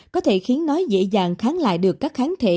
có thể khiến nó dễ dàng kháng lại được các kháng thể